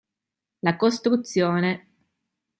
La costruzione.